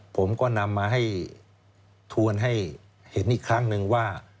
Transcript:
ผมก็นำมาให้ทวนให้เห็นอีกครั้งนึงว่า